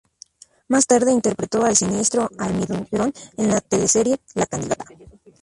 Más tarde interpretó al siniestro Almirón en la teleserie "La Candidata".